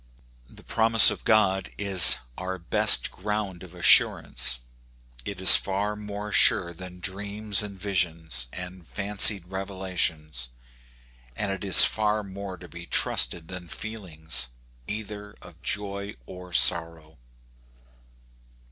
The promise of God is our best ground of assurance ; it is far more sure than dreams and visions, and fancied revelations ; and it is far more to be trusted than feelings, either of joy or sorrow.